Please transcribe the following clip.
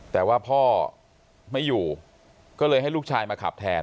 แต่ว่าพ่อไม่อยู่ก็เลยให้ลูกชายมาขับแทน